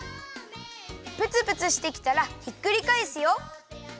プツプツしてきたらひっくりかえすよ。